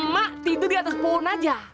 mak tidur di atas pohon aja